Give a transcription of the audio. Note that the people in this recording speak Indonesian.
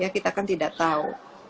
kita kan tidak tahu